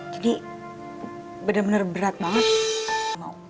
jadi benar benar berat banget